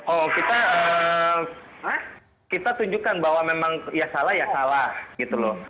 oh kita tunjukkan bahwa memang ya salah ya salah gitu loh